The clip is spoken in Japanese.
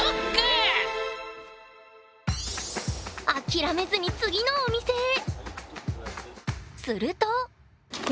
諦めずに次のお店へ！